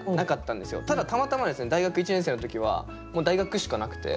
ただたまたまですね大学１年生の時はもう大学しかなくて。